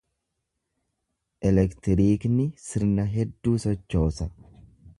Elektiriikni sirna hedduu sochoosa.